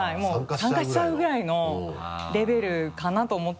参加しちゃうぐらいのレベルかなと思って。